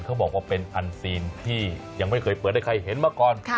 เขาบอกว่าเป็นอันซีนที่ยังไม่เคยเปิดให้ใครเห็นมาก่อน